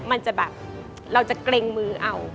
มันจะแบบเราจะเกรงมือเอา